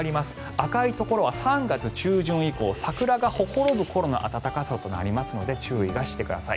赤いところは３月中旬以降桜がほころぶ頃の暖かさとなりますので注意してください。